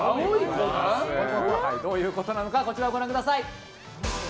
どういうことなのかこちらをご覧ください。